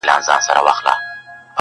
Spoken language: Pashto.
نو یې مخ سو پر جومات او پر لمونځونو!!